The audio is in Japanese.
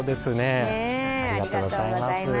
ありがとうございます。